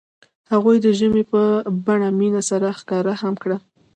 هغوی د ژمنې په بڼه مینه سره ښکاره هم کړه.